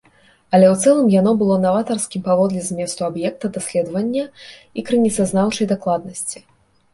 Але ў цэлым яно было наватарскім паводле зместу, аб'екта даследавання і крыніцазнаўчай дакладнасці.